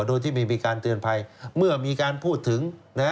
โดยที่ไม่มีการเตือนภัยเมื่อมีการพูดถึงนะฮะ